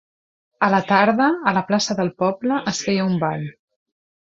A la tarda, a la plaça del poble es feia un ball.